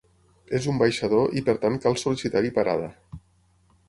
És un baixador i per tant cal sol·licitar-hi parada.